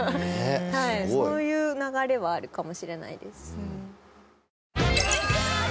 そういう流れはあるかもしれないです。